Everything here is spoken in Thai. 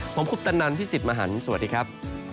ผมคุปตะนันพี่สิทธิ์มหันฯสวัสดีครับ